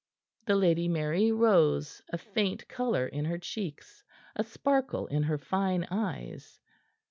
The Lady Mary rose, a faint color in her cheeks, a sparkle in her fine eyes.